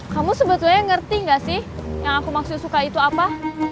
kamu sebetulnya ngerti gak sih yang aku maksud suka itu apa